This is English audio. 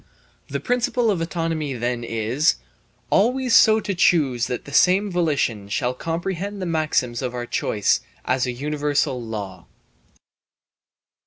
The principle of autonomy then is: "Always so to choose that the same volition shall comprehend the maxims of our choice as a universal law."